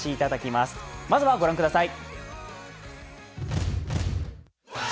まずは、ご覧ください。